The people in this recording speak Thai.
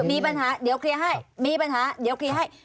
มีปัญหาเดี๋ยวเคลียร์ให้มีปัญหาเดี๋ยวเคลียร์ให้